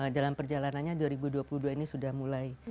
jalan perjalanannya dua ribu dua puluh dua ini sudah mulai